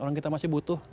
orang kita masih butuh